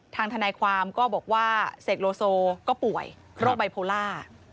ทนายความก็บอกว่าเสกโลโซก็ป่วยโรคไบโพล่า